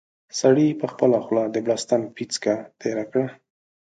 سړي په خپله خوله د بړستن پېڅکه تېره کړه.